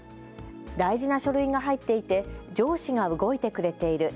大事な書類が入っていて上司が動いてくれている。